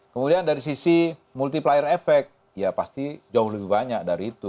kemudian dari sisi multiplier effect ya pasti jauh lebih banyak dari itu